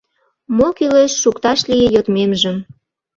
Мо кӱлеш — шукташ лие йодмемжым.